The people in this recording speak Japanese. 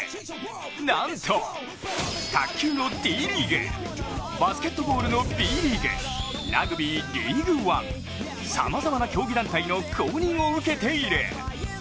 なんと、卓球のＴリーグバスケットボールのＢリーグ、ＲＵＧＢＹＬＥＡＧＵＥＯＮＥさまざまな競技団体の公認を受けている。